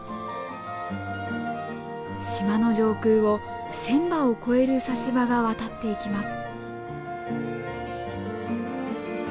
島の上空を１，０００羽を超えるサシバが渡っていきます。